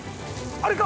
あれか！